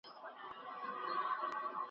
توري په اسانۍ سره پرتله کېدای سی.